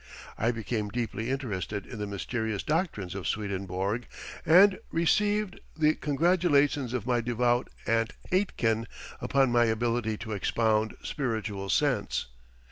I became deeply interested in the mysterious doctrines of Swedenborg, and received the congratulations of my devout Aunt Aitken upon my ability to expound "spiritual sense."